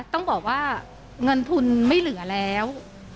ต้องบอกว่าเงินทุนไม่เหลือแล้ว